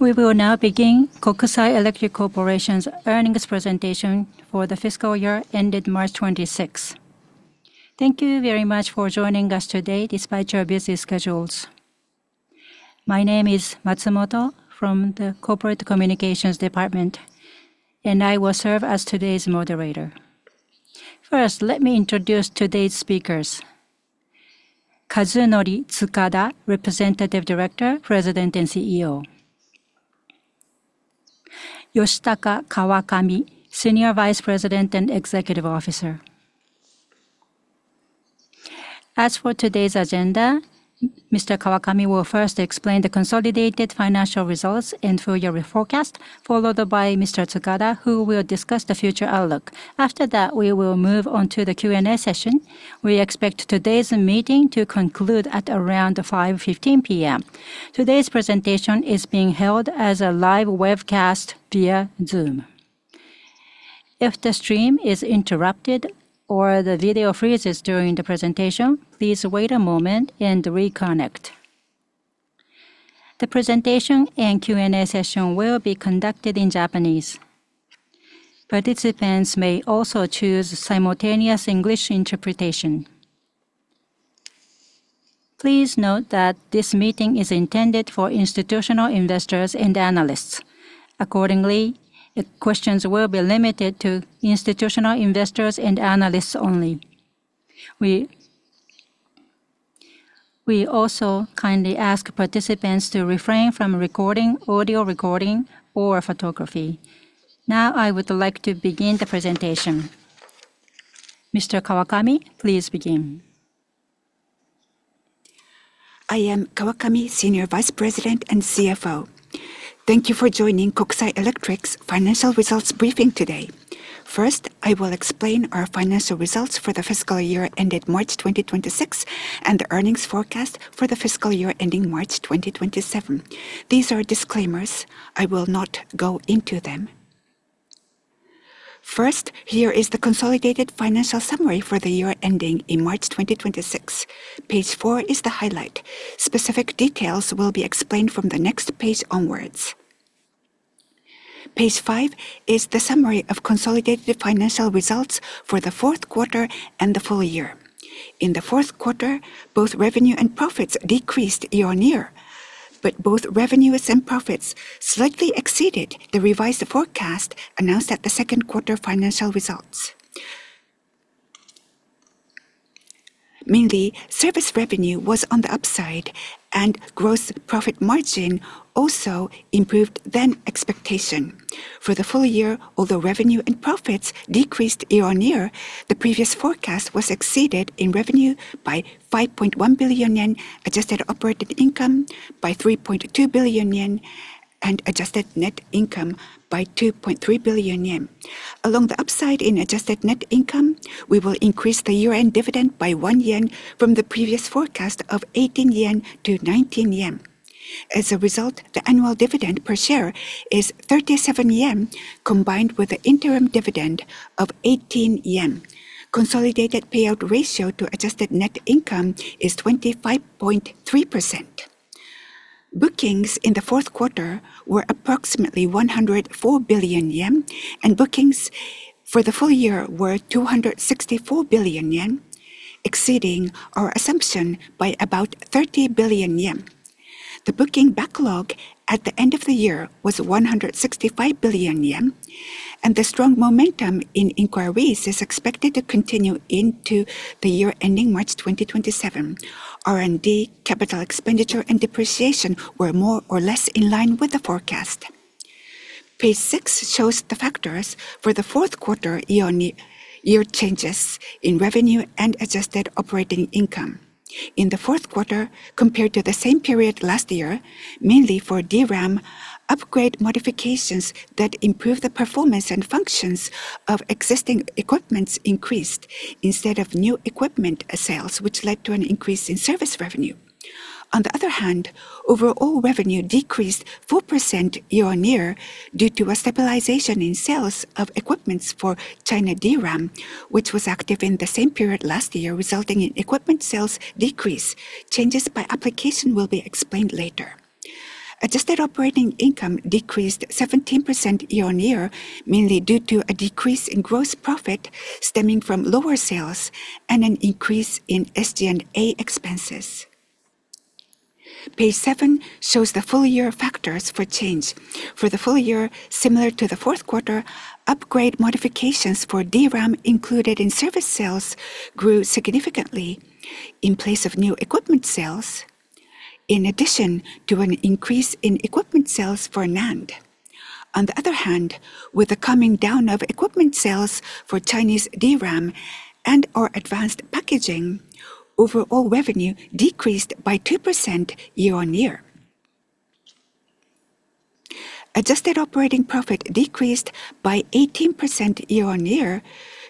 We will now begin Kokusai Electric Corporation's earnings presentation for the fiscal year ended March 26th. Thank you very much for joining us today despite your busy schedules. My name is Matsumoto from the Corporate Communications Department, and I will serve as today's moderator. First, let me introduce today's speakers. Kazunori Tsukada, Representative Director, President and CEO. Yoshitaka Kawakami, Senior Vice President and Executive Officer. As for today's agenda, Mr. Kawakami will first explain the consolidated financial results and full year forecast, followed by Mr. Tsukada, who will discuss the future outlook. After that, we will move on to the Q&A session. We expect today's meeting to conclude at around 5:15 P.M. Today's presentation is being held as a live webcast via Zoom. If the stream is interrupted or the video freezes during the presentation, please wait a moment and reconnect. The presentation and Q&A session will be conducted in Japanese. Participants may also choose simultaneous English interpretation. Please note that this meeting is intended for institutional investors and analysts. Accordingly, questions will be limited to institutional investors and analysts only. We also kindly ask participants to refrain from recording, audio recording or photography. Now, I would like to begin the presentation. Mr. Kawakami, please begin. I am Kawakami, Senior Vice President and CFO. Thank you for joining Kokusai Electric's financial results briefing today. First, I will explain our financial results for the fiscal year ended March 2026 and the earnings forecast for the fiscal year ending March 2027. These are disclaimers. I will not go into them. First, here is the consolidated financial summary for the year ending in March 2026. Page 4 is the highlight. Specific details will be explained from the next page onwards. Page 5 is the summary of consolidated financial results for the fourth quarter and the full year. In the fourth quarter, both revenue and profits decreased year-over-year, but both revenues and profits slightly exceeded the revised forecast announced at the second quarter financial results. Mainly, service revenue was on the upside and gross profit margin also improved than expectation. For the full year, although revenue and profits decreased year-on-year, the previous forecast was exceeded in revenue by 5.1 billion yen, adjusted operating income by 3.2 billion yen, and adjusted net income by 2.3 billion yen. Along the upside in adjusted net income, we will increase the year-end dividend by 1 yen from the previous forecast of 18 yen to 19 yen. As a result, the annual dividend per share is 37 yen, combined with the interim dividend of 18 yen. Consolidated payout ratio to adjusted net income is 25.3%. Bookings in the fourth quarter were approximately 104 billion yen, and bookings for the full year were 264 billion yen, exceeding our assumption by about 30 billion yen. The booking backlog at the end of the year was 165 billion yen, and the strong momentum in inquiries is expected to continue into the year ending March 2027. R&D, capital expenditure, and depreciation were more or less in line with the forecast. Page six shows the factors for the fourth quarter year-on-year changes in revenue and adjusted operating income. In the fourth quarter, compared to the same period last year, mainly for DRAM, upgrade modifications that improve the performance and functions of existing equipments increased instead of new equipment sales, which led to an increase in service revenue. On the other hand, overall revenue decreased 4% year-on-year due to a stabilization in sales of equipments for China DRAM, which was active in the same period last year, resulting in equipment sales decrease. Changes by application will be explained later. Adjusted operating income decreased 17% year-on-year, mainly due to a decrease in gross profit stemming from lower sales and an increase in SG&A expenses. Page 7 shows the full year factors for change. For the full year, similar to the fourth quarter, upgrade modifications for DRAM included in service sales grew significantly in place of new equipment sales, in addition to an increase in equipment sales for NAND. On the other hand, with the coming down of equipment sales for Chinese DRAM and our advanced packaging, overall revenue decreased by 2% year-on-year. Adjusted operating profit decreased by 18% year-on-year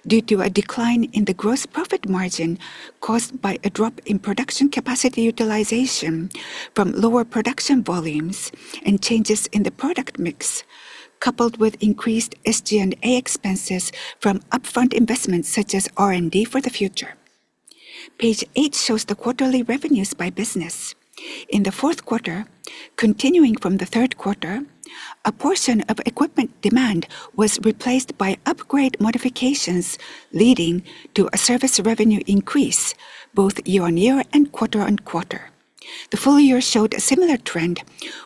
due to a decline in the gross profit margin caused by a drop in production capacity utilization from lower production volumes and changes in the product mix, coupled with increased SG&A expenses from upfront investments such as R&D for the future. Page 8 shows the quarterly revenues by business. In the 4th quarter, continuing from the third quarter, a portion of equipment demand was replaced by upgrade modifications, leading to a service revenue increase both year-on-year and quarter-on-quarter. The full year showed a similar trend,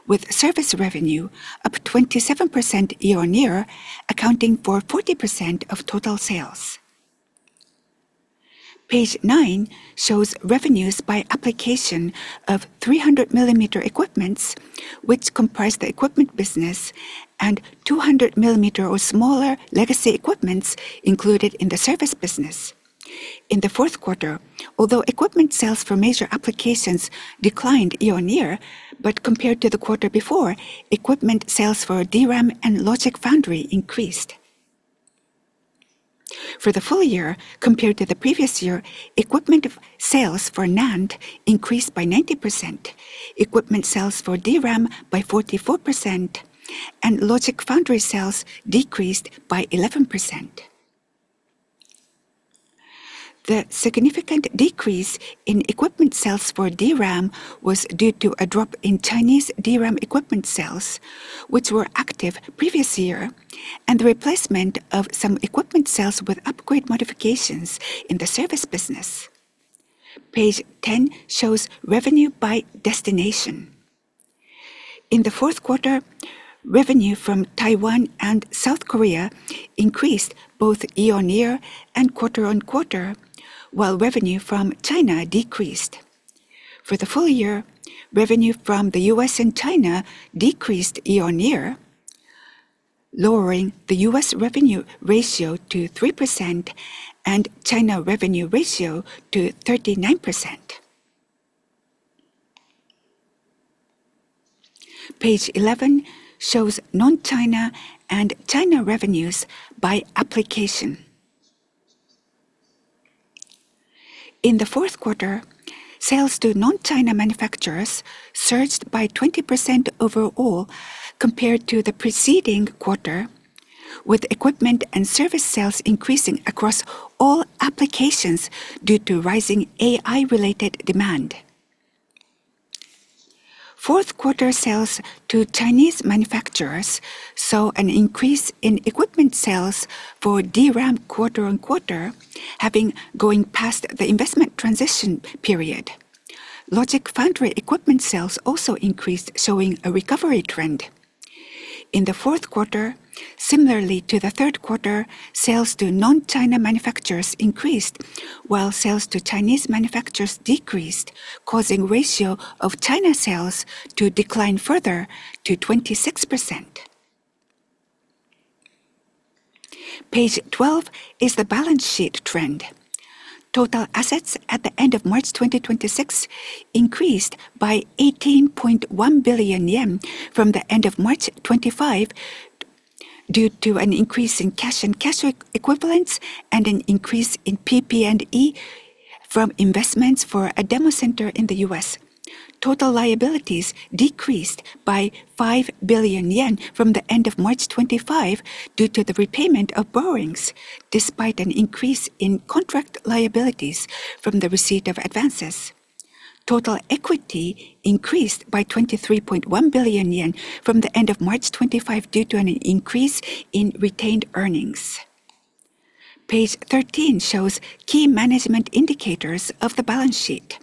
with service revenue up 27% year-on-year, accounting for 40% of total sales. Page 9 shows revenues by application of 300 mm equipments, which comprise the equipment business, and 200 mm or smaller legacy equipments included in the service business. In the fourth quarter, although equipment sales for major applications declined year-on-year, compared to the quarter before, equipment sales for DRAM and logic foundry increased. For the full year, compared to the previous year, equipment sales for NAND increased by 90%, equipment sales for DRAM by 44%, and logic foundry sales decreased by 11%. The significant decrease in equipment sales for DRAM was due to a drop in Chinese DRAM equipment sales, which were active previous year, and the replacement of some equipment sales with upgrade modifications in the service business. Page 10 shows revenue by destination. In the fourth quarter, revenue from Taiwan and South Korea increased both year-on-year and quarter-on-quarter, while revenue from China decreased. For the full year, revenue from the U.S. and China decreased year-on-year, lowering the U.S. revenue ratio to 3% and China revenue ratio to 39%. Page 11 shows non-China and China revenues by application. In the fourth quarter, sales to non-China manufacturers surged by 20% overall compared to the preceding quarter, with equipment and service sales increasing across all applications due to rising AI-related demand. Fourth quarter sales to Chinese manufacturers saw an increase in equipment sales for DRAM quarter-on-quarter, having going past the investment transition period. Logic foundry equipment sales also increased, showing a recovery trend. In the fourth quarter, similarly to the third quarter, sales to non-China manufacturers increased while sales to Chinese manufacturers decreased, causing ratio of China sales to decline further to 26%. Page 12 is the balance sheet trend. Total assets at the end of March 2026 increased by 18.1 billion yen from the end of March 2025 due to an increase in cash and cash equivalents and an increase in PP&E from investments for a demo center in the U.S. Total liabilities decreased by 5 billion yen from the end of March 2025 due to the repayment of borrowings, despite an increase in contract liabilities from the receipt of advances. Total equity increased by 23.1 billion yen from the end of March 2025 due to an increase in retained earnings. Page 13 shows key management indicators of the balance sheet.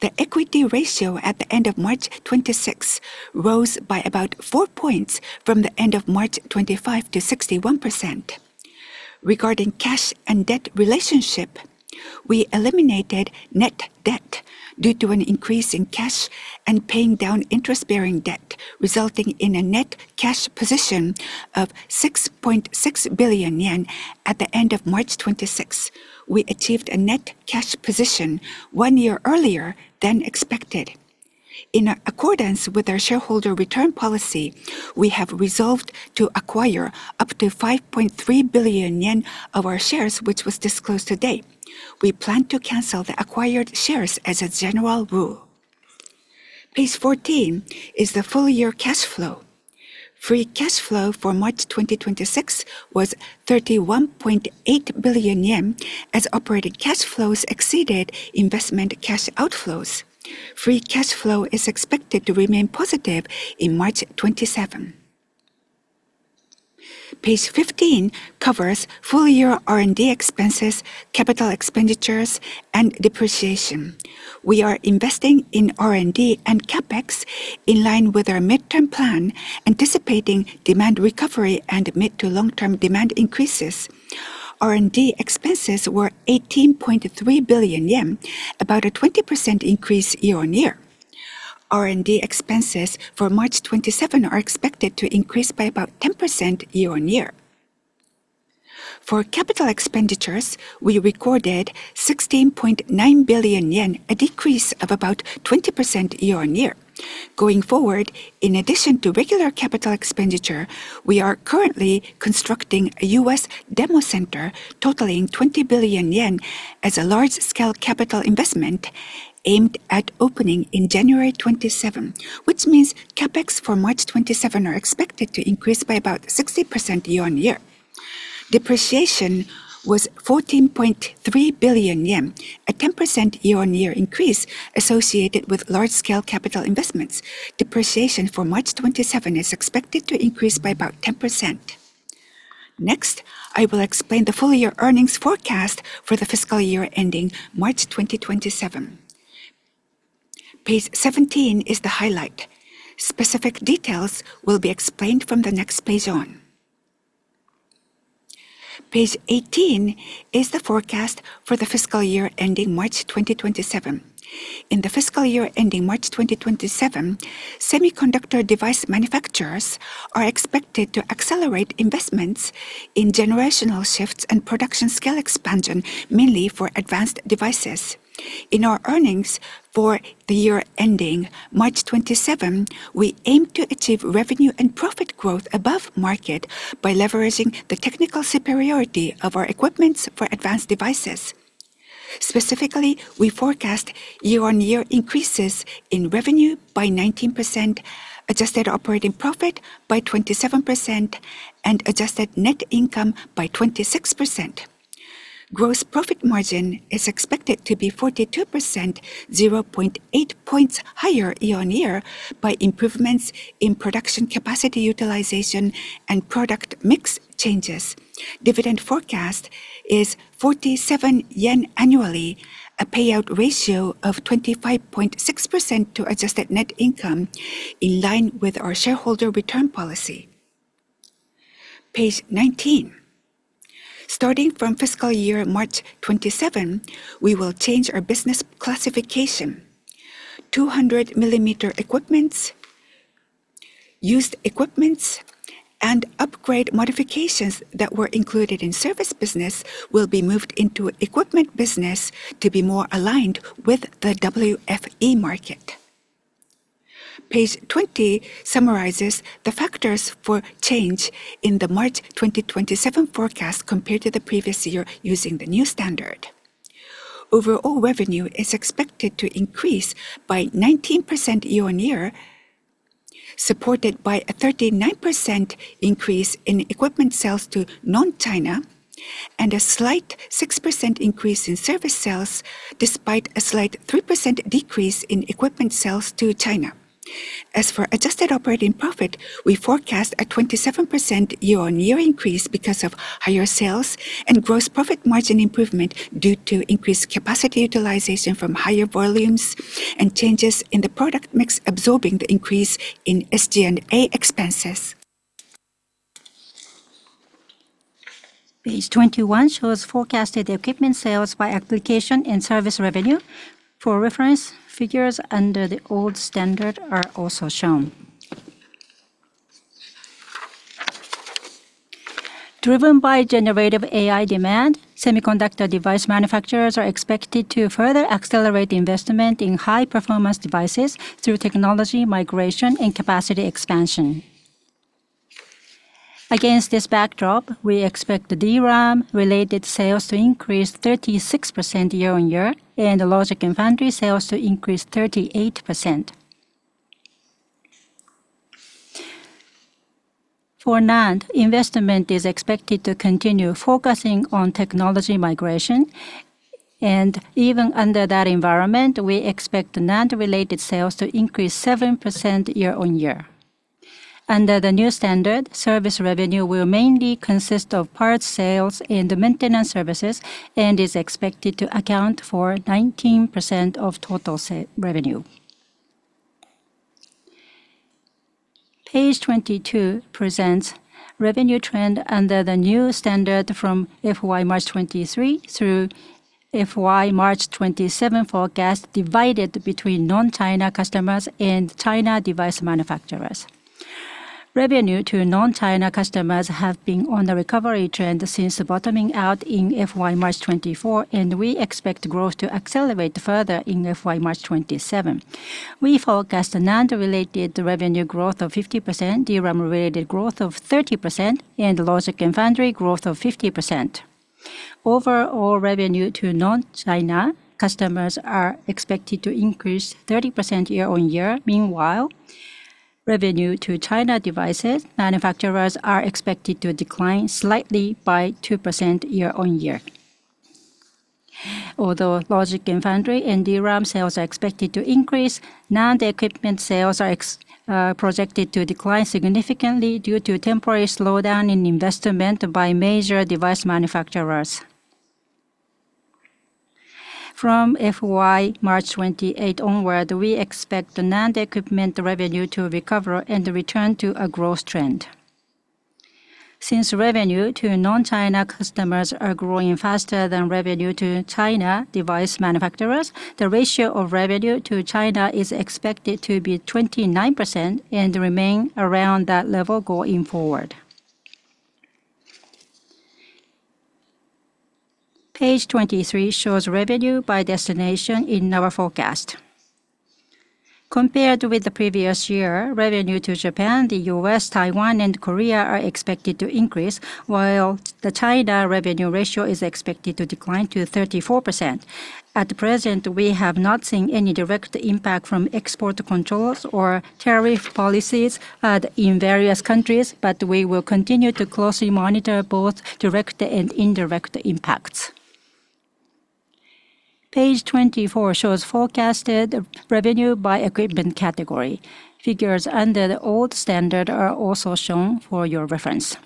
The equity ratio at the end of March 2026 rose by about 4 points from the end of March 2025 to 61%. Regarding cash and debt relationship, we eliminated net debt due to an increase in cash and paying down interest-bearing debt, resulting in a net cash position of 6.6 billion yen at the end of March 2026. We achieved a net cash position one year earlier than expected. In accordance with our shareholder return policy, we have resolved to acquire up to 5.3 billion yen of our shares, which was disclosed today. We plan to cancel the acquired shares as a general rule. Page 14 is the full year cash flow. Free cash flow for March 2026 was 31.8 billion yen as operating cash flows exceeded investment cash outflows. Free cash flow is expected to remain positive in March 2027. Page 15 covers full year R&D expenses, capital expenditures, and depreciation. We are investing in R&D and CapEx in line with our midterm plan, anticipating demand recovery and mid to long-term demand increases. R&D expenses were 18.3 billion yen, about a 20% increase year-on-year. R&D expenses for March 2027 are expected to increase by about 10% year-on-year. For capital expenditures, we recorded 16.9 billion yen, a decrease of about 20% year-on-year. Going forward, in addition to regular capital expenditure, we are currently constructing a U.S. demo center totaling 20 billion yen as a large-scale capital investment aimed at opening in January 2027, which means CapEx for March 2027 are expected to increase by about 60% year-on-year. Depreciation was 14.3 billion yen, a 10% year-on-year increase associated with large scale capital investments. Depreciation for March 2027 is expected to increase by about 10%. Next, I will explain the full year earnings forecast for the fiscal year ending March 2027. Page 17 is the highlight. Specific details will be explained from the next page on. Page 18 is the forecast for the fiscal year ending March 2027. In the fiscal year ending March 2027, semiconductor device manufacturers are expected to accelerate investments in generational shifts and production scale expansion, mainly for advanced devices. In our earnings for the year ending March 2027, we aim to achieve revenue and profit growth above market by leveraging the technical superiority of our equipments for advanced devices. Specifically, we forecast year-on-year increases in revenue by 19%, adjusted operating profit by 27% and adjusted net income by 26%. Gross profit margin is expected to be 42%, 0.8 points higher year-on-year by improvements in production capacity utilization and product mix changes. Dividend forecast is 47 yen annually, a payout ratio of 25.6% to adjusted net income in line with our shareholder return policy. Page 19. Starting from FY March 2027, we will change our business classification. 200 millimeter equipments, used equipments and upgrade modifications that were included in service business will be moved into equipment business to be more aligned with the WFE market. Page 20 summarizes the factors for change in the March 2027 forecast compared to the previous year using the new standard. Overall revenue is expected to increase by 19% year-on-year, supported by a 39% increase in equipment sales to non-China and a slight 6% increase in service sales, despite a slight 3% decrease in equipment sales to China. Adjusted operating profit, we forecast a 27% year-on-year increase because of higher sales and gross profit margin improvement due to increased capacity utilization from higher volumes and changes in the product mix absorbing the increase in SG&A expenses. Page 21 shows forecasted equipment sales by application and service revenue. For reference, figures under the old standard are also shown. Driven by generative AI demand, semiconductor device manufacturers are expected to further accelerate investment in high performance devices through technology migration and capacity expansion. Against this backdrop, we expect the DRAM related sales to increase 36% year-on-year and the logic foundry sales to increase 38%. For NAND, investment is expected to continue focusing on technology migration and even under that environment, we expect NAND related sales to increase 7% year-on-year. Under the new standard, service revenue will mainly consist of parts sales and maintenance services and is expected to account for 19% of total sale revenue. Page 22 presents revenue trend under the new standard from FY March 2023 through FY March 2027 forecast divided between non-China customers and China device manufacturers. Revenue to non-China customers have been on a recovery trend since bottoming out in FY March 2024, and we expect growth to accelerate further in FY March 2027. We forecast NAND related revenue growth of 50%, DRAM related growth of 30% and logic and foundry growth of 50%. Overall revenue to non-China customers are expected to increase 30% year-on-year. Meanwhile, revenue to China devices manufacturers are expected to decline slightly by 2% year-on-year. Although logic and foundry and DRAM sales are expected to increase, NAND equipment sales are projected to decline significantly due to temporary slowdown in investment by major device manufacturers. From FY March 2028 onward, we expect the NAND equipment revenue to recover and return to a growth trend. Since revenue to non-China customers are growing faster than revenue to China device manufacturers, the ratio of revenue to China is expected to be 29% and remain around that level going forward. Page 23 shows revenue by destination in our forecast. Compared with the previous year, revenue to Japan, the U.S., Taiwan and Korea are expected to increase, while the China revenue ratio is expected to decline to 34%. At present, we have not seen any direct impact from export controls or tariff policies in various countries, but we will continue to closely monitor both direct and indirect impacts. Page 24 shows forecasted revenue by equipment category. Figures under the old standard are also shown for your reference.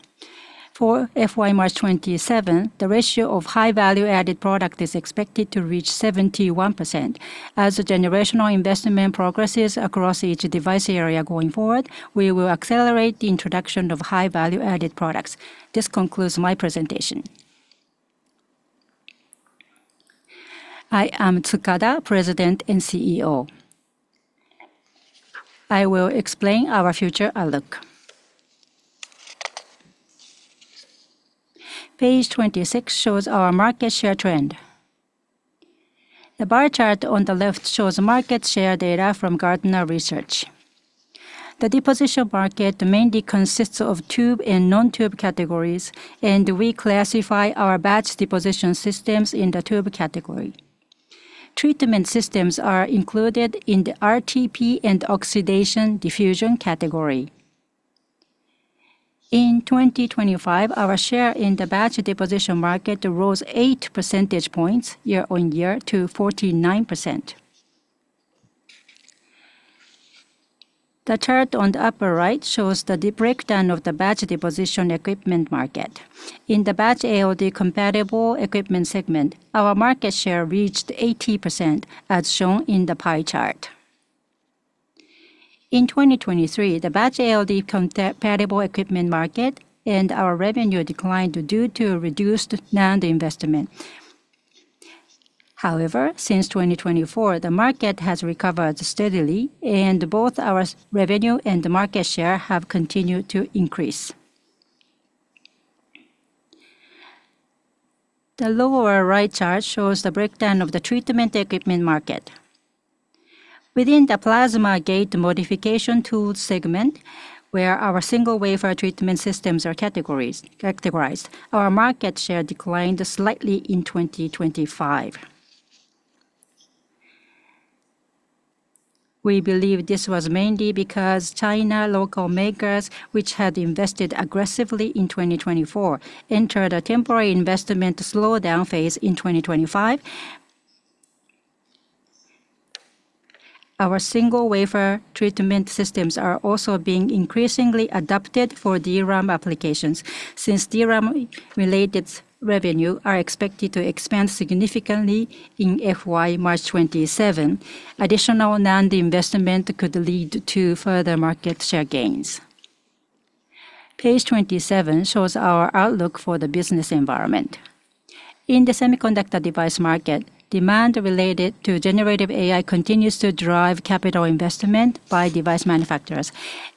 For FY March 2027, the ratio of high-value added product is expected to reach 71%. As the generational investment progresses across each device area going forward, we will accelerate the introduction of high-value added products. This concludes my presentation. I am Tsukada, President and CEO. I will explain our future outlook. Page 26 shows our market share trend. The bar chart on the left shows market share data from Gartner Research. The deposition market mainly consists of tube and non-tube categories, and we classify our batch deposition systems in the tube category. Treatment systems are included in the RTP and oxidation diffusion category. In 2025, our share in the batch deposition market rose 8 percentage points year-on-year to 49%. The chart on the upper right shows the breakdown of the batch deposition equipment market. In the batch ALD-compatible equipment segment, our market share reached 80%, as shown in the pie chart. In 2023, the batch ALD-compatible equipment market and our revenue declined due to reduced NAND investment. Since 2024, the market has recovered steadily, and both our revenue and the market share have continued to increase. The lower right chart shows the breakdown of the treatment equipment market. Within the plasma gate modification tool segment, where our single wafer treatment systems are categorized, our market share declined slightly in 2025. We believe this was mainly because China local makers, which had invested aggressively in 2024, entered a temporary investment slowdown phase in 2025. Our single wafer treatment systems are also being increasingly adopted for DRAM applications. Since DRAM-related revenue are expected to expand significantly in FY March 2027, additional NAND investment could lead to further market share gains. Page 27 shows our outlook for the business environment. In the semiconductor device market, demand related to generative AI continues to drive capital investment by device manufacturers,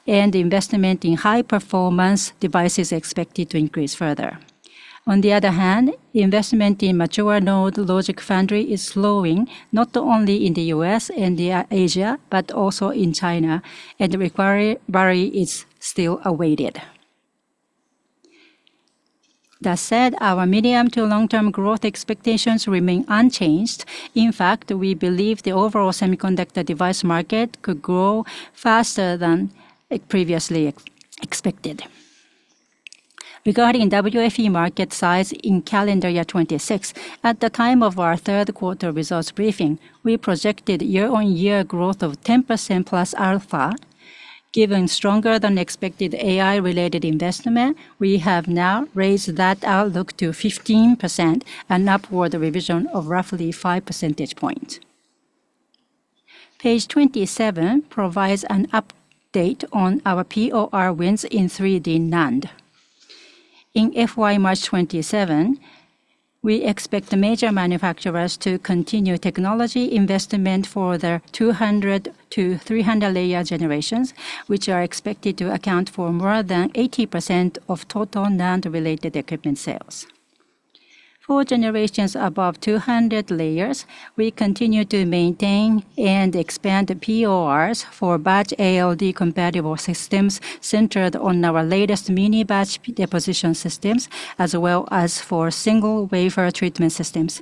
and investment in high-performance device is expected to increase further. On the other hand, investment in mature node logic foundry is slowing, not only in the U.S. and Asia, but also in China, and recovery is still awaited. That said, our medium to long-term growth expectations remain unchanged. In fact, we believe the overall semiconductor device market could grow faster than previously expected. Regarding WFE market size in calendar year 2026, at the time of our third quarter results briefing, we projected year-on-year growth of 10%+ alpha. Given stronger than expected AI-related investment, we have now raised that outlook to 15%, an upward revision of roughly 5 percentage points. Page 27 provides an update on our POR wins in 3D NAND. In FY March 2027, we expect the major manufacturers to continue technology investment for their 200-300-layer generations, which are expected to account for more than 80% of total NAND-related equipment sales. For generations above 200 layers, we continue to maintain and expand PORs for batch ALD-compatible systems centered on our latest mini-batch deposition systems, as well as for single wafer treatment systems.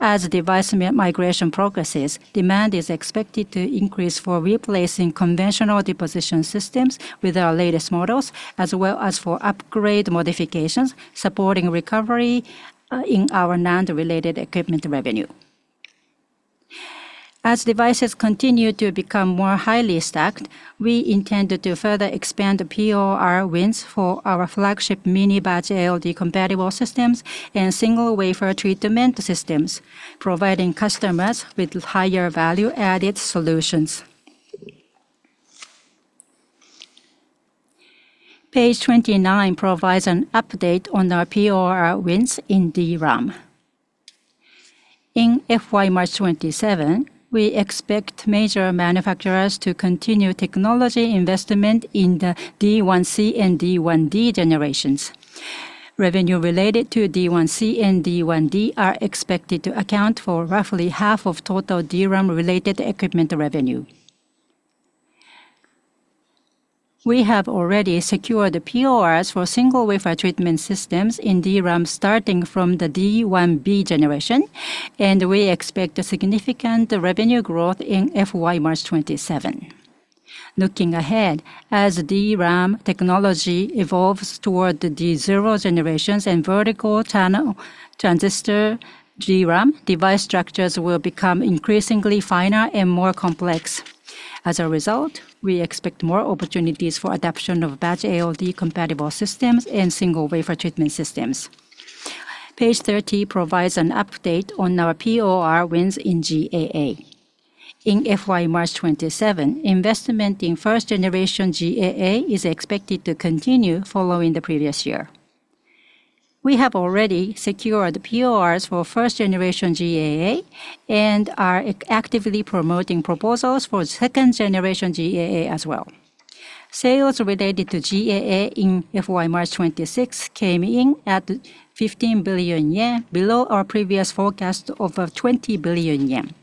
As device migration progresses, demand is expected to increase for replacing conventional deposition systems with our latest models, as well as for upgrade modifications, supporting recovery in our NAND-related equipment revenue. As devices continue to become more highly stacked, we intend to further expand the POR wins for our flagship mini-batch ALD-compatible systems and single wafer treatment systems, providing customers with higher value-added solutions. Page 29 provides an update on our POR wins in DRAM. In FY March 2027, we expect major manufacturers to continue technology investment in the D1C and D1D generations. Revenue related to D1C and D1D are expected to account for roughly half of total DRAM-related equipment revenue. We have already secured the PORs for single wafer treatment systems in DRAM, starting from the D1B generation, and we expect a significant revenue growth in FY March 2027. Looking ahead, as DRAM technology evolves toward the D0 generations and vertical channel transistor DRAM, device structures will become increasingly finer and more complex. As a result, we expect more opportunities for adoption of batch ALD-compatible systems and single wafer treatment systems. Page 30 provides an update on our POR wins in GAA. In FY March 2027, investment in first generation GAA is expected to continue following the previous year. We have already secured PORs for first generation GAA and are actively promoting proposals for second generation GAA as well. Sales related to GAA in FY March 2026 came in at 15 billion yen, below our previous forecast of 20 billion yen.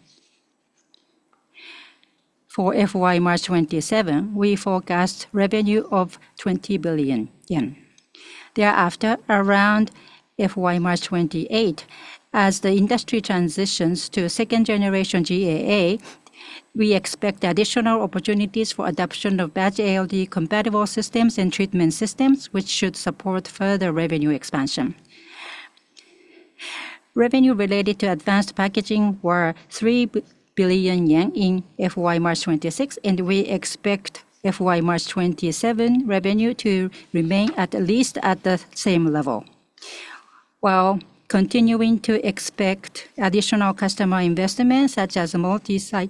For FY March 2027, we forecast revenue of 20 billion yen. Thereafter, around FY March 2028, as the industry transitions to second generation GAA, we expect additional opportunities for adoption of batch ALD-compatible systems and treatment systems, which should support further revenue expansion. Revenue related to advanced packaging were 3 billion yen in FY March 2026, and we expect FY March 2027 revenue to remain at least at the same level. While continuing to expect additional customer investments such as multi-site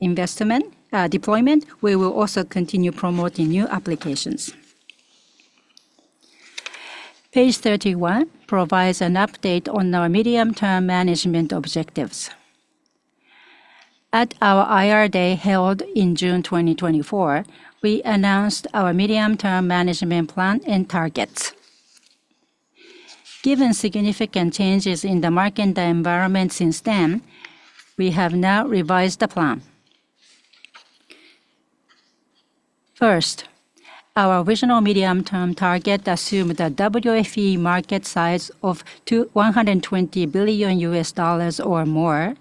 investment, deployment, we will also continue promoting new applications. Page 31 provides an update on our medium-term management objectives. At our IR Day held in June 2024, we announced our medium-term management plan and targets. Given significant changes in the market environment since then, we have now revised the plan. First, our original medium-term target assumed a WFE market size of $120 billion or more.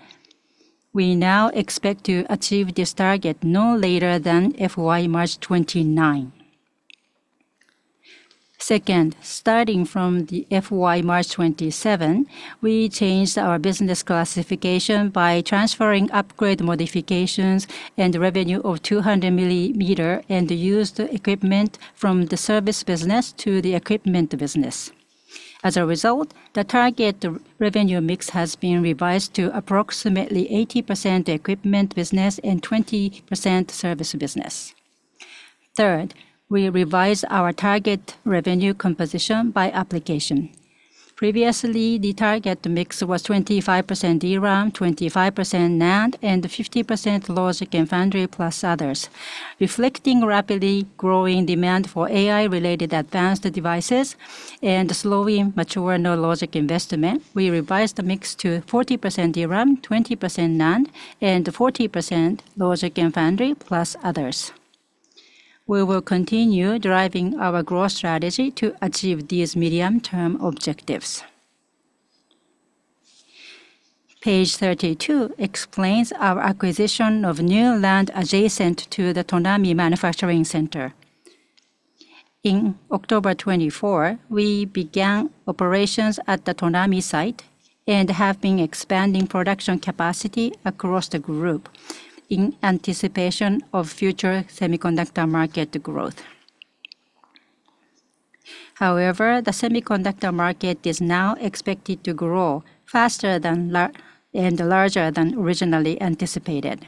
We now expect to achieve this target no later than FY March 2029. Second, starting from the FY March 2027, we changed our business classification by transferring upgrade modifications and revenue of 200 millimeter and used equipment from the service business to the equipment business. As a result, the target revenue mix has been revised to approximately 80% equipment business and 20% service business. Third, we revised our target revenue composition by application. Previously, the target mix was 25% DRAM, 25% NAND, and 50% logic and foundry, plus others. Reflecting rapidly growing demand for AI-related advanced devices and slowly mature logic investment, we revised the mix to 40% DRAM, 20% NAND, and 40% logic and foundry, plus others. We will continue driving our growth strategy to achieve these medium-term objectives. Page 32 explains our acquisition of new land adjacent to the Tonami manufacturing center. In October 24, we began operations at the Tonami site and have been expanding production capacity across the group in anticipation of future semiconductor market growth. However, the semiconductor market is now expected to grow faster and larger than originally anticipated.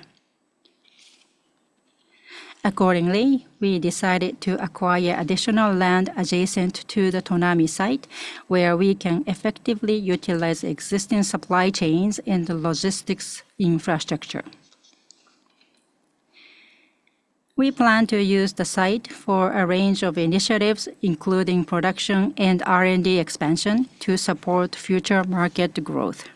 We decided to acquire additional land adjacent to the Tonami site, where we can effectively utilize existing supply chains and logistics infrastructure. We plan to use the site for a range of initiatives, including production and R&D expansion, to support future market growth.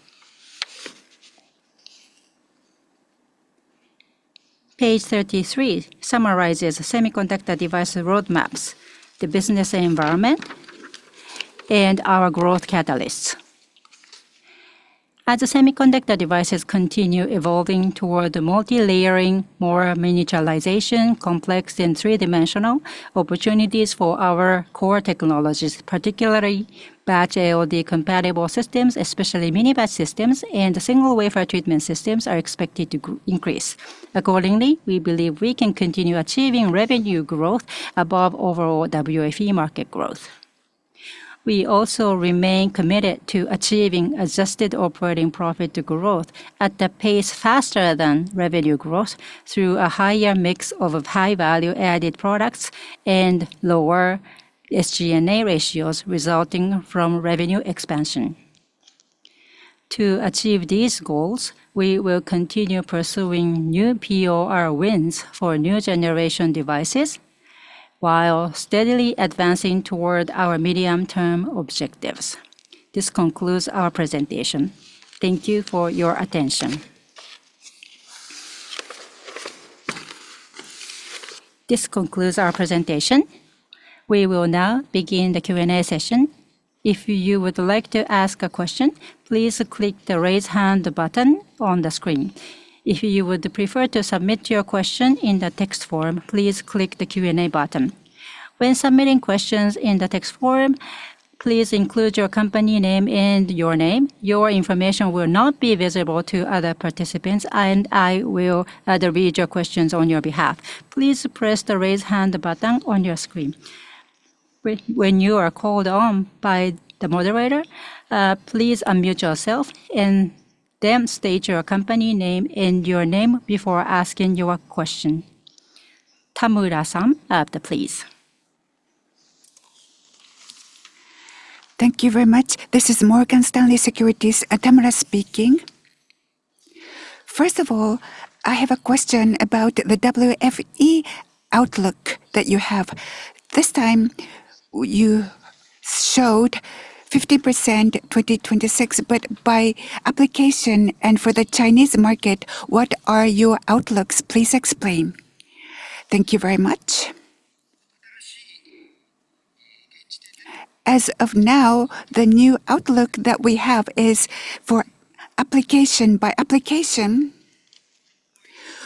Page 33 summarizes semiconductor device roadmaps, the business environment, and our growth catalysts. As the semiconductor devices continue evolving toward multi-layering, more miniaturization, complex and three-dimensional, opportunities for our core technologies, particularly batch ALD-compatible systems, especially mini-batch systems and single wafer treatment systems, are expected to increase. We believe we can continue achieving revenue growth above overall WFE market growth. We also remain committed to achieving adjusted operating profit growth at a pace faster than revenue growth through a higher mix of high value-added products and lower SG&A ratios resulting from revenue expansion. To achieve these goals, we will continue pursuing new POR wins for new generation devices while steadily advancing toward our medium-term objectives. This concludes our presentation. Thank you for your attention. This concludes our presentation. We will now begin the Q&A session. If you would like to ask a question, please click the Raise Hand button on the screen. If you would prefer to submit your question in the text form, please click the Q&A button. When submitting questions in the text form, please include your company name and your name. Your information will not be visible to other participants, and I will read your questions on your behalf. Please press the Raise Hand button on your screen. When you are called on by the moderator, please unmute yourself and then state your company name and your name before asking your question. Tamura-san, please. Thank you very much. This is Morgan Stanley Securities, Tamura speaking. First of all, I have a question about the WFE outlook that you have. This time, you showed 50% for 2026, but by application and for the Chinese market, what are your outlooks? Please explain. Thank you very much. As of now, the new outlook that we have is for application by application.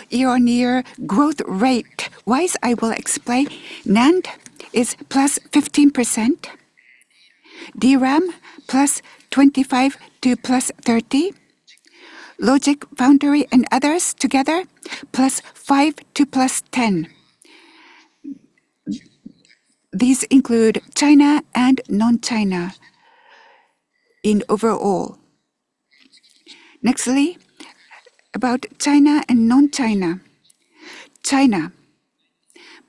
Year-over-year growth rate wise, I will explain. NAND is +15%. DRAM +25% - +30%. Logic foundry and others together, +5% - +10%. These include China and non-China in overall. Nextly, about China and non-China. China,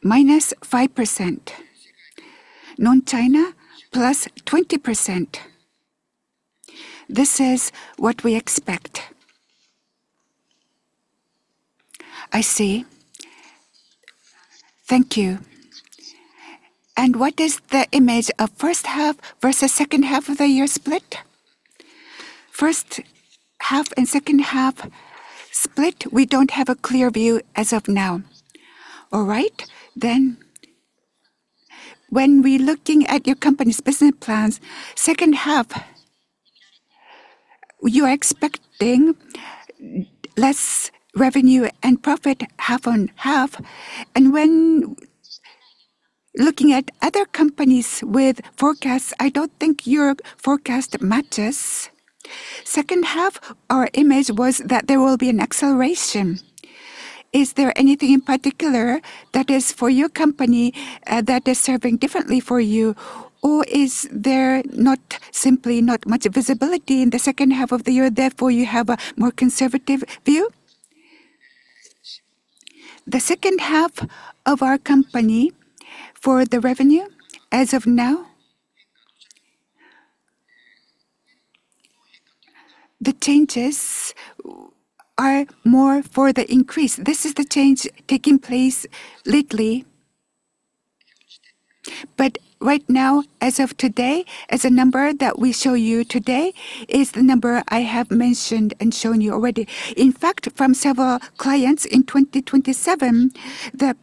-5%. Non-China, +20%. This is what we expect. I see. Thank you. What is the image of first half versus second half of the year split? First half and second half split, we don't have a clear view as of now. All right. When we're looking at your company's business plans, second half, you are expecting less revenue and profit half-on-half. When looking at other companies with forecasts, I don't think your forecast matches. Second half, our image was that there will be an acceleration. Is there anything in particular that is for your company, that is serving differently for you? Or is there not simply not much visibility in the second half of the year, therefore you have a more conservative view? The second half of our company for the revenue as of now, the changes are more for the increase. This is the change taking place lately. Right now, as of today, as a number that we show you today, is the number I have mentioned and shown you already. In fact, from several clients in 2027, the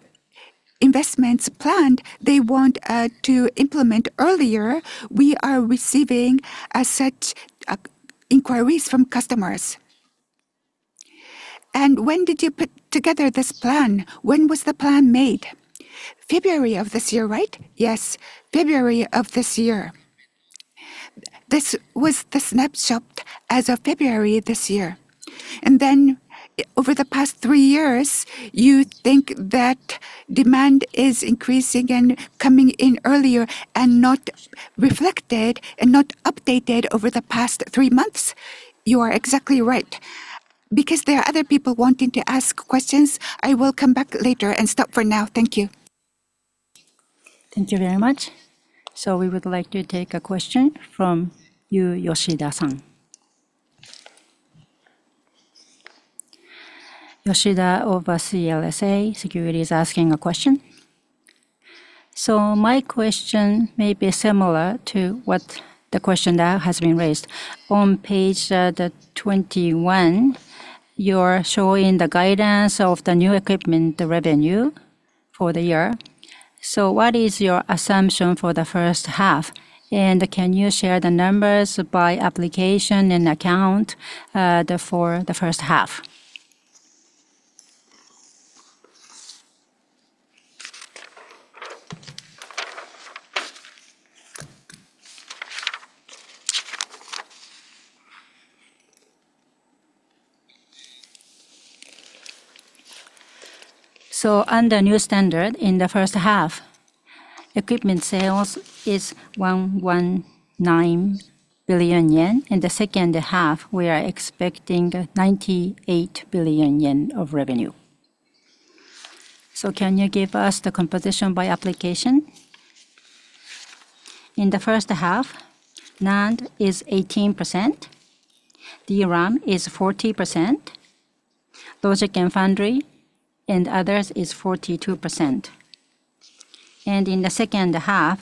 investments planned, they want to implement earlier. We are receiving as such inquiries from customers. When did you put together this plan? When was the plan made? February of this year, right? Yes, February of this year. This was the snapshot as of February this year. Over the past 3 years, you think that demand is increasing and coming in earlier and not reflected and not updated over the past 3 months? You are exactly right. There are other people wanting to ask questions, I will come back later and stop for now. Thank you. Thank you very much. We would like to take a question from you, Yoshida-san. Yoshida over CLSA Securities is asking a question. My question may be similar to what the question now has been raised. On page 21, you're showing the guidance of the new equipment, the revenue for the year. What is your assumption for the first half? Can you share the numbers by application and account for the first half? Under new standard in the first half, equipment sales is 119 billion yen. In the second half, we are expecting 98 billion yen of revenue. Can you give us the composition by application? In the first half, NAND is 18%. DRAM is 40%. Logic and foundry and others is 42%. In the second half,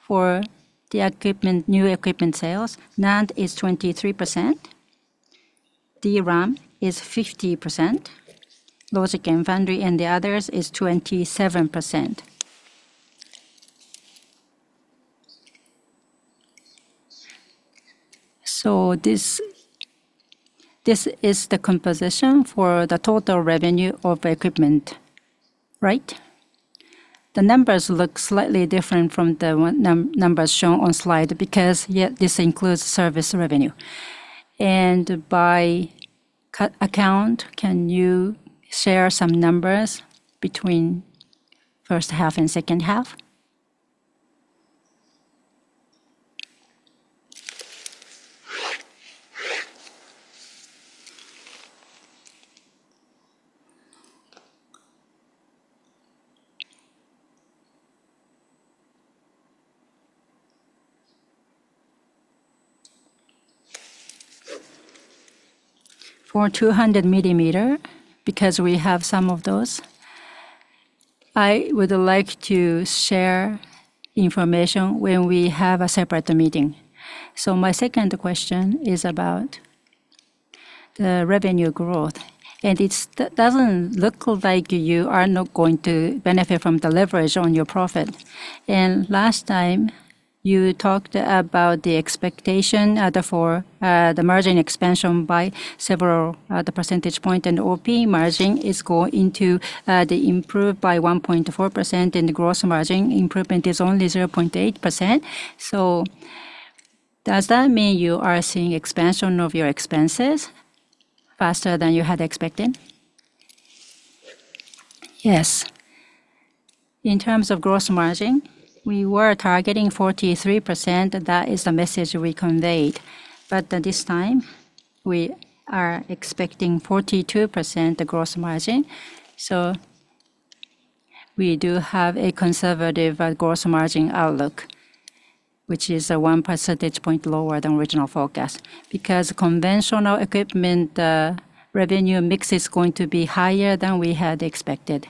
for the equipment, new equipment sales, NAND is 23%. DRAM is 50%. Logic and foundry and the others is 27%. This is the composition for the total revenue of equipment, right? The numbers look slightly different from the one numbers shown on slide because this includes service revenue. By account, can you share some numbers between first half and second half? For 200 millimeter, because we have some of those, I would like to share information when we have a separate meeting. My second question is about the revenue growth, and doesn't look like you are not going to benefit from the leverage on your profit. Last time, you talked about the expectation for the margin expansion by several, the percentage point and OP margin is going to improve by 1.4%, and the gross margin improvement is only 0.8%. Does that mean you are seeing expansion of your expenses faster than you had expected? Yes. In terms of gross margin, we were targeting 43%. That is the message we conveyed. This time, we are expecting 42% gross margin. We do have a conservative gross margin outlook, which is 1 percentage point lower than original forecast. Conventional equipment revenue mix is going to be higher than we had expected.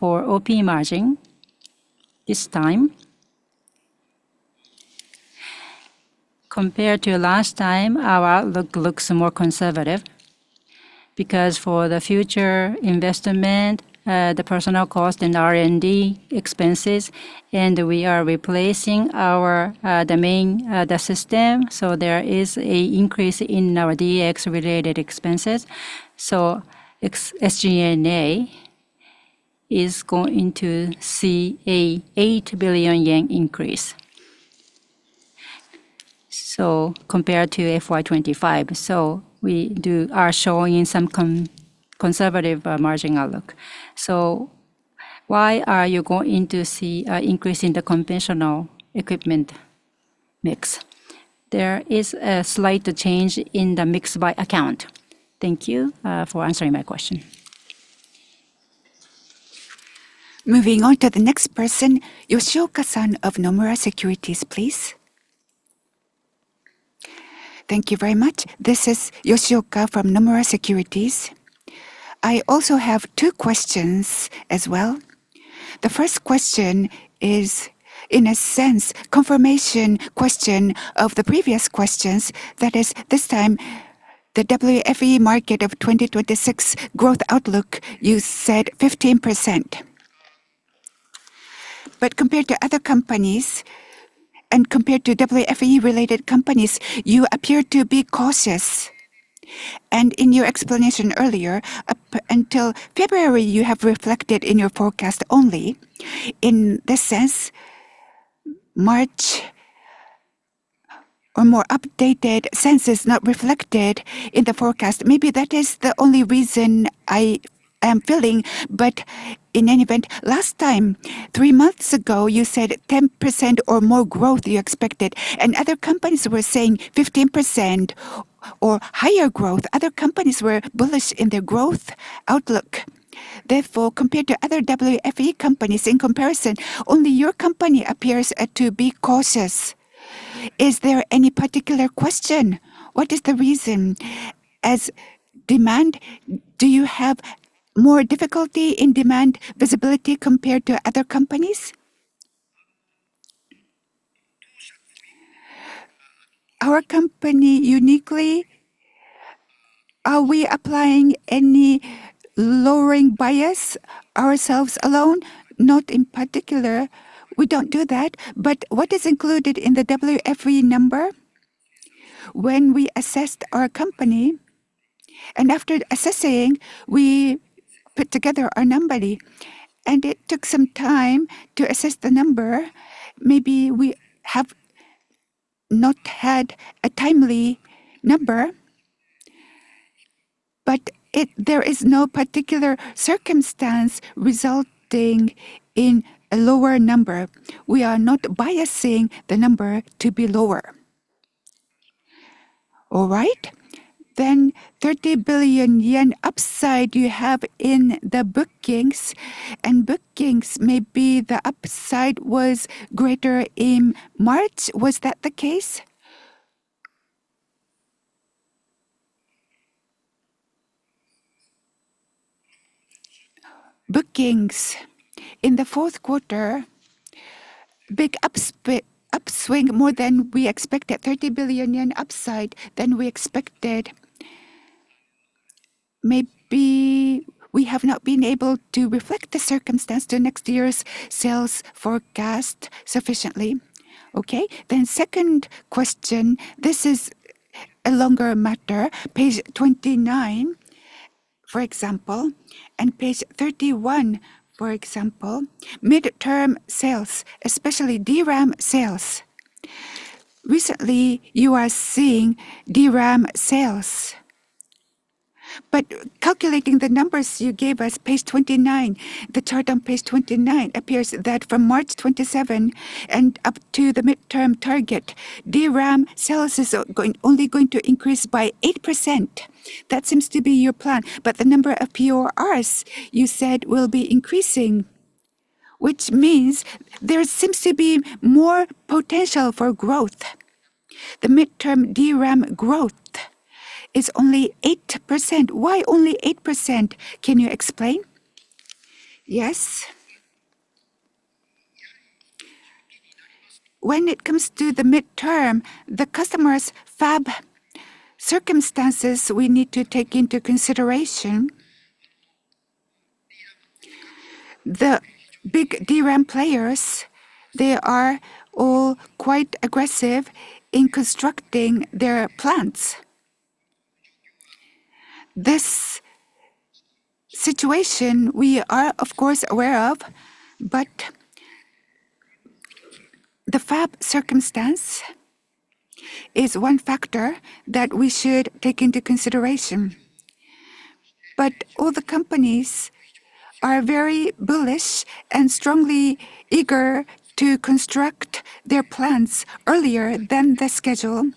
For OP margin, this time compared to last time, our outlook looks more conservative because for the future investment, the personnel cost and R&D expenses, and we are replacing our the main the system, so there is a increase in our DX related expenses. SG&A is going to see a 8 billion yen increase. Compared to FY 2025. We are showing some conservative margin outlook. Why are you going to see a increase in the conventional equipment mix? There is a slight change in the mix by account. Thank you for answering my question. Moving on to the next person, Yoshioka-san of Nomura Securities, please. Thank you very much. This is Yoshioka from Nomura Securities. I also have two questions as well. The first question is in a sense confirmation question of the previous questions. That is this time the WFE market of 2026 growth outlook, you said 15%. Compared to other companies and compared to WFE related companies, you appear to be cautious. In your explanation earlier, up until February, you have reflected in your forecast only. In this sense, March or more updated sense is not reflected in the forecast. Maybe that is the only reason I am feeling. In any event, last time, three months ago, you said 10% or more growth you expected, and other companies were saying 15% or higher growth. Other companies were bullish in their growth outlook. Therefore, compared to other WFE companies in comparison, only your company appears to be cautious. Is there any particular question? What is the reason? As demand, do you have more difficulty in demand visibility compared to other companies? Our company uniquely, are we applying any lowering bias ourselves alone? Not in particular. We don't do that. What is included in the WFE number? When we assessed our company and after assessing, we put together our number, and it took some time to assess the number. Maybe we have not had a timely number, but there is no particular circumstance resulting in a lower number. We are not biasing the number to be lower. All right. 30 billion yen upside you have in the bookings, and bookings may be the upside was greater in March. Was that the case? Bookings in the fourth quarter, big up upswing more than we expected, 30 billion yen upside than we expected. Maybe we have not been able to reflect the circumstance to next year's sales forecast sufficiently. Okay. second question. This is a longer matter. Page 29, for example, and page 31, for example, midterm sales, especially DRAM sales. Recently, you are seeing DRAM sales. Calculating the numbers you gave us, page 29, the chart on page 29 appears that from March 27 and up to the midterm target, DRAM sales is only going to increase by 8%. That seems to be your plan. The number of PORs you said will be increasing, which means there seems to be more potential for growth. The midterm DRAM growth is only 8%. Why only 8%? Can you explain? Yes. When it comes to the midterm, the customer's fab circumstances we need to take into consideration. The big DRAM players, they are all quite aggressive in constructing their plants. This situation we are of course aware of, the fab circumstance is one factor that we should take into consideration. All the companies are very bullish and strongly eager to construct their plants earlier than the schedule.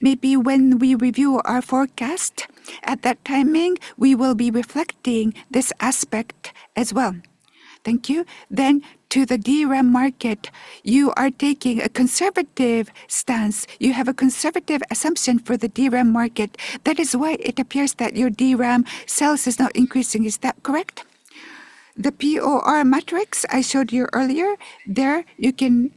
Maybe when we review our forecast, at that timing, we will be reflecting this aspect as well. Thank you. To the DRAM market, you are taking a conservative stance. You have a conservative assumption for the DRAM market. That is why it appears that your DRAM sales is not increasing. Is that correct? The POR metrics I showed you earlier, there you can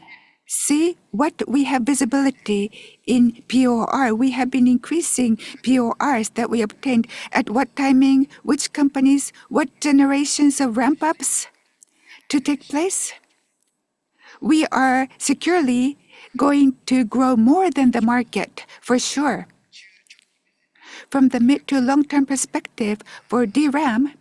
see what we have visibility in POR. We have been increasing PORs that we obtained. At what timing, which companies, what generations of ramp-ups to take place. We are securely going to grow more than the market, for sure. From the mid to long-term perspective for DRAM,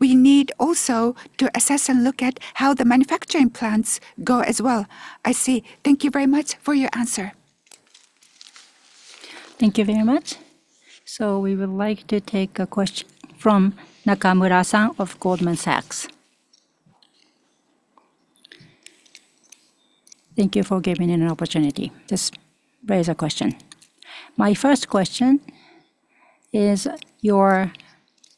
we need also to assess and look at how the manufacturing plants go as well. I see. Thank you very much for your answer. Thank you very much. We would like to take a question from Nakamura-san of Goldman Sachs. Thank you for giving an opportunity to raise a question. My first question is your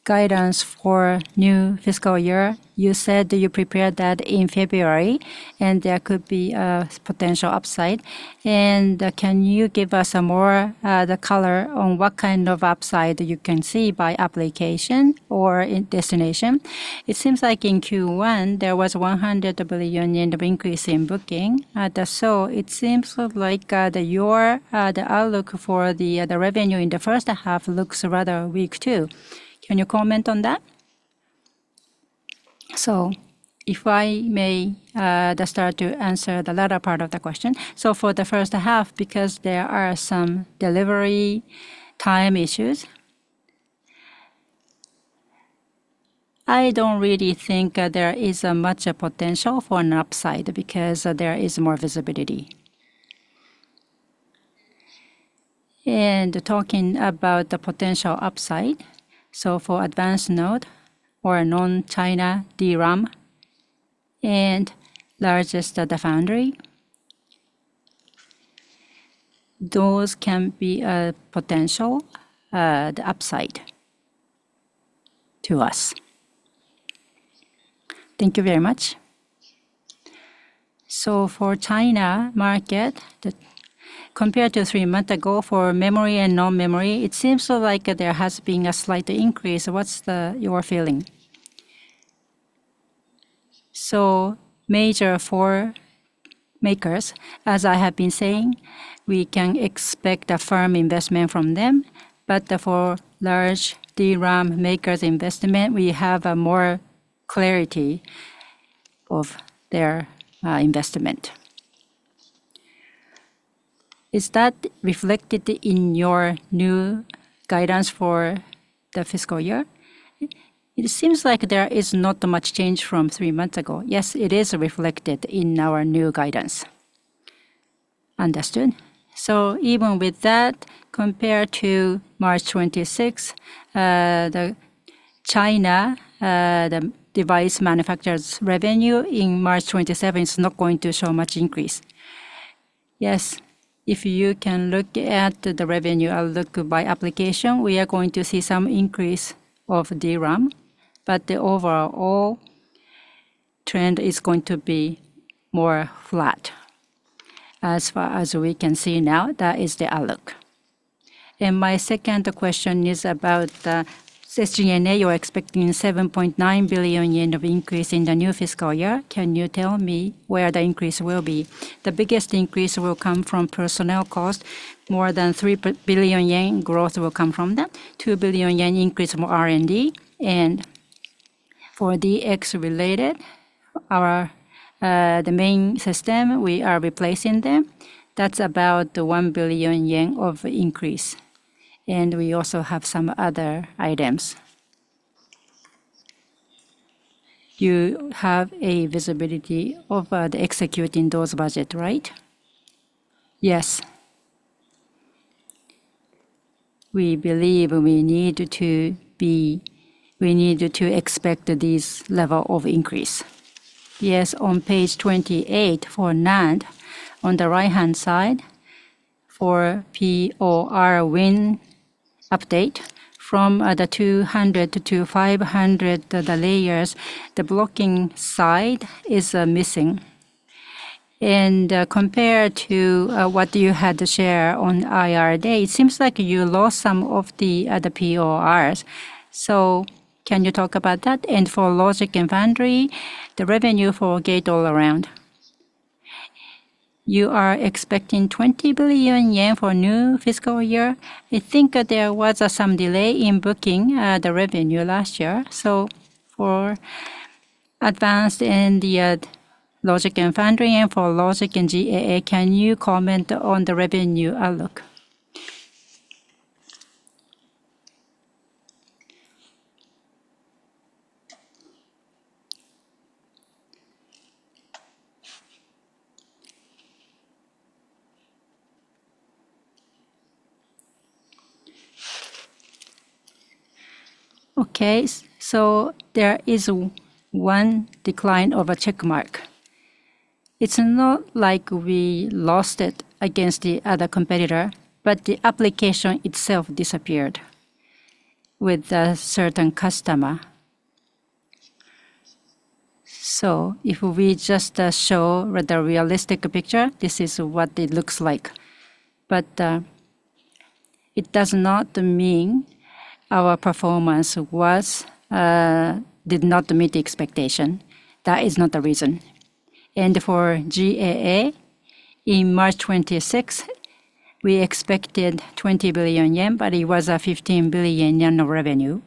guidance for new fiscal year. You said that you prepared that in February, and there could be a potential upside. Can you give us some more color on what kind of upside you can see by application or in destination? It seems like in Q1, there was 100 billion yen of increase in booking. It seems like your outlook for the revenue in the first half looks rather weak too. Can you comment on that? If I may start to answer the latter part of the question. For the first half, because there are some delivery time issues, I don't really think there is much potential for an upside because there is more visibility. Talking about the potential upside, for advanced node or non-China DRAM and logic foundry, those can be a potential upside to us. Thank you very much. For China market, compared to three months ago, for memory and non-memory, it seems like there has been a slight increase. What's your feeling? Major four makers, as I have been saying, we can expect a firm investment from them. For large DRAM makers' investment, we have more clarity of their investment. Is that reflected in your new guidance for the fiscal year? It seems like there is not much change from three months ago. Yes, it is reflected in our new guidance. Understood. Even with that, compared to March 2026, the China, the device manufacturer's revenue in March 2027 is not going to show much increase. Yes. If you can look at the revenue outlook by application, we are going to see some increase of DRAM. The overall trend is going to be more flat. As far as we can see now, that is the outlook. My second question is about SG&A. You are expecting 7.9 billion yen of increase in the new fiscal year. Can you tell me where the increase will be? The biggest increase will come from personnel cost. More than 3 billion yen growth will come from that. 2 billion yen increase from R&D. For DX related, our, the main system, we are replacing them. That is about 1 billion yen of increase, and we also have some other items. You have a visibility of the executing those budget, right? Yes. We believe we need to expect this level of increase. Yes. On page 28 for NAND, on the right-hand side for POR win update from the 200 to 500 layers, the blocking side is missing. Compared to what you had to share on IR Day, it seems like you lost some of the PORs. Can you talk about that? For logic foundry, the revenue for Gate-All-Around. You are expecting 20 billion yen for new fiscal year. I think there was some delay in booking the revenue last year. For advanced and the logic foundry and for logic and GAA, can you comment on the revenue outlook? Okay. There is 1 decline of a checkmark. It's not like we lost it against the other competitor, but the application itself disappeared with a certain customer. If we just show the realistic picture, this is what it looks like. It does not mean our performance was did not meet expectation. That is not the reason. For GAA, in March 2026, we expected 20 billion yen, but it was 15 billion yen of revenue.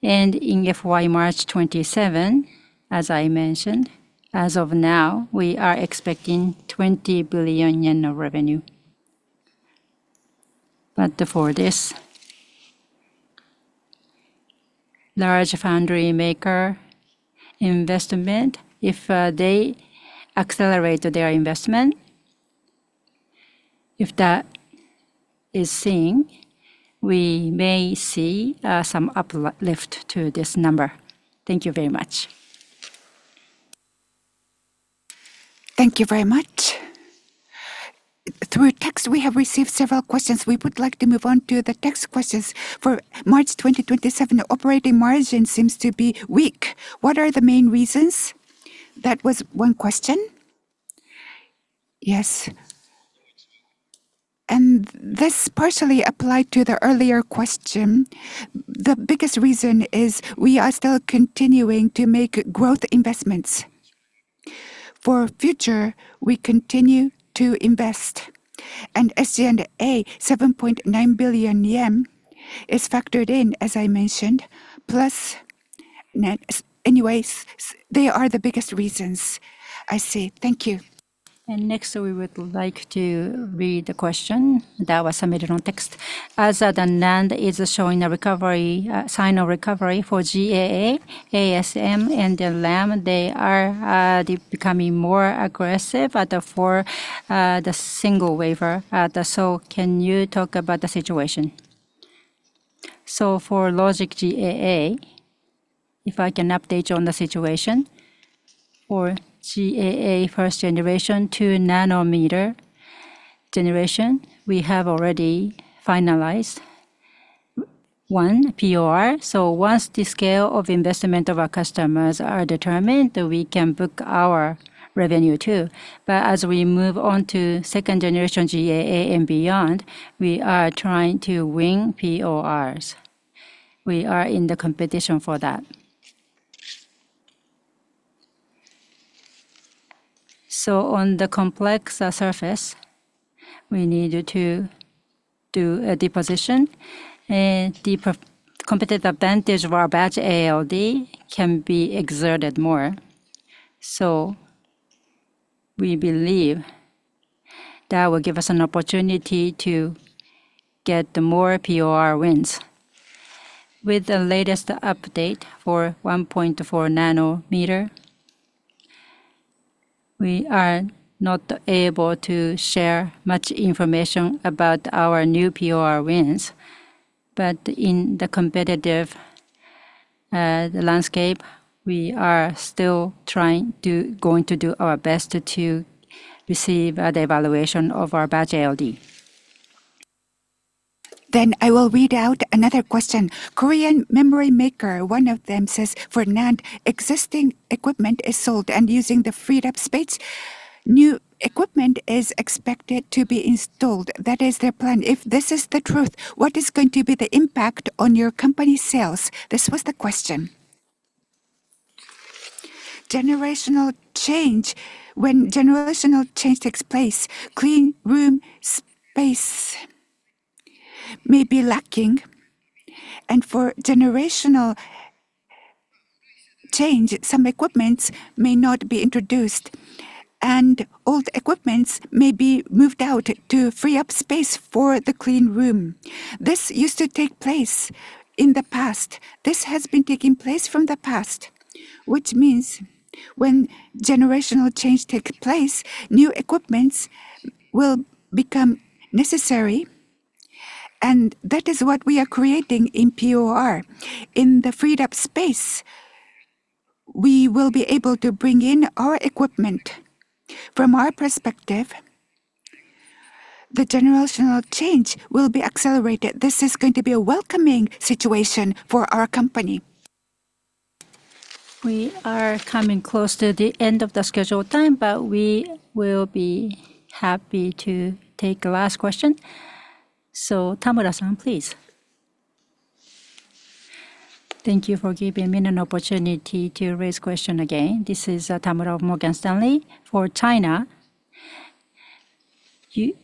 In FY March 2027, as I mentioned, as of now, we are expecting 20 billion yen of revenue. For this large foundry maker investment, if they accelerate their investment, if that is seeing, we may see some uplift to this number. Thank you very much. Thank you very much. Through text, we have received several questions. We would like to move on to the text questions. For March 2027, operating margin seems to be weak. What are the main reasons? That was one question. Yes. This partially applied to the earlier question. The biggest reason is we are still continuing to make growth investments. For future, we continue to invest. SG&A, 7.9 billion yen is factored in, as I mentioned, plus net. Anyways, they are the biggest reasons. I see. Thank you. Next, we would like to read the question that was submitted on text. The NAND is showing a recovery, sign of recovery for GAA, ASM International, and Lam Research, they are becoming more aggressive for the single wafer. Can you talk about the situation? For logic GAA, if I can update you on the situation. GAA first generation 2-nanometer generation, we have already finalized one POR. Once the scale of investment of our customers are determined, we can book our revenue too. As we move on to second generation GAA and beyond, we are trying to win PORs. We are in the competition for that. On the complex surface, we need to do a deposition, and the core competitive advantage of our batch ALD can be exerted more. We believe that will give us an opportunity to get more POR wins. With the latest update for 1.4 nanometer, we are not able to share much information about our new POR wins. In the competitive landscape, we are still trying to do our best to receive the evaluation of our batch ALD. I will read out another question. Korean memory maker, one of them says, "For NAND, existing equipment is sold and using the freed up space, new equipment is expected to be installed." That is their plan. If this is the truth, what is going to be the impact on your company's sales? This was the question. Generational change. When generational change takes place, clean room space may be lacking. For generational change, some equipments may not be introduced, and old equipments may be moved out to free up space for the clean room. This used to take place in the past. This has been taking place from the past, which means when generational change take place, new equipments will become necessary, and that is what we are creating in POR. In the freed up space, we will be able to bring in our equipment. From our perspective, the generational change will be accelerated. This is going to be a welcoming situation for our company. We are coming close to the end of the scheduled time, we will be happy to take a last question. Tamura-san, please. Thank you for giving me an opportunity to raise question again. This is Tamura of Morgan Stanley. For China,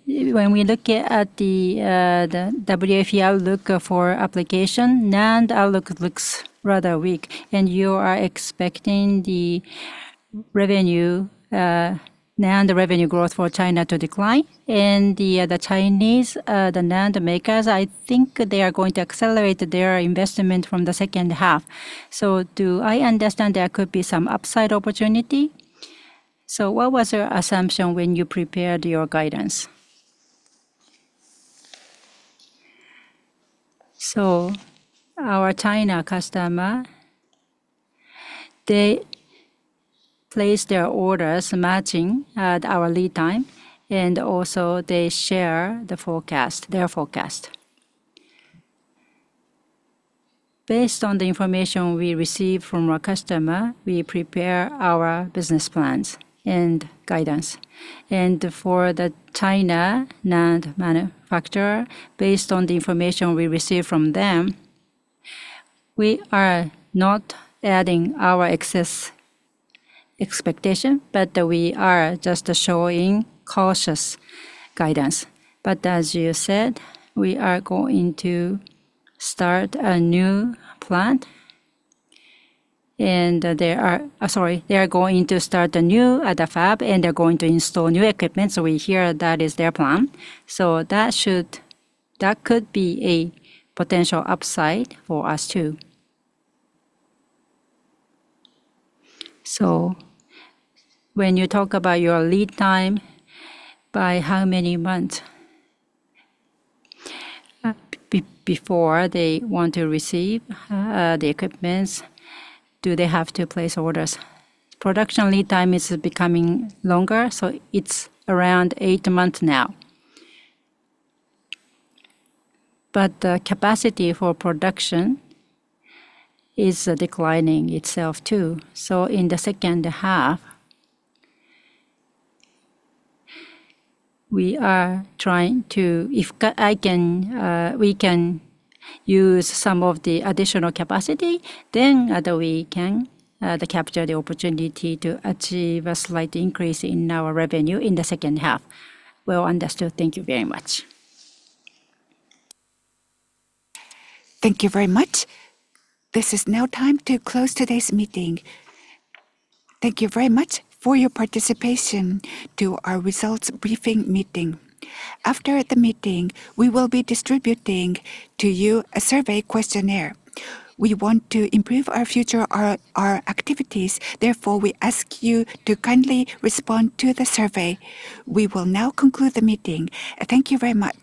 when we look at the WFE outlook for application, NAND outlook looks rather weak, and you are expecting NAND revenue growth for China to decline. The Chinese NAND makers, I think they are going to accelerate their investment from the second half. Do I understand there could be some upside opportunity? What was your assumption when you prepared your guidance? Our China customer, they place their orders matching our lead time, and also they share their forecast. Based on the information we receive from our customer, we prepare our business plans and guidance. For the China NAND manufacturer, based on the information we receive from them, we are not adding our excess expectation, but we are just showing cautious guidance. As you said, we are going to start a new plant, and they are going to start a new fab, and they're going to install new equipment. We hear that is their plan. That could be a potential upside for us too. When you talk about your lead time, by how many months? Before they want to receive the equipment, do they have to place orders? Production lead time is becoming longer. It's around eight months now. The capacity for production is declining itself too. In the second half, we are trying to If I can, we can use some of the additional capacity, then we can capture the opportunity to achieve a slight increase in our revenue in the second half. Well understood. Thank you very much. Thank you very much. This is now time to close today's meeting. Thank you very much for your participation to our results briefing meeting. After the meeting, we will be distributing to you a survey questionnaire. We want to improve our future, our activities, therefore, we ask you to kindly respond to the survey. We will now conclude the meeting. Thank you very much.